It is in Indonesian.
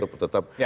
untuk kita semuanya